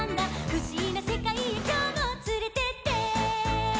「ふしぎなせかいへきょうもつれてって！」